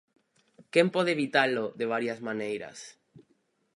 Quen pode evitalo de varias maneiras?